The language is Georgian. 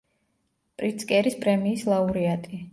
პრიცკერის პრემიის ლაურეატი.